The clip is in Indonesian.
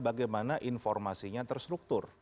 bagaimana informasinya terstruktur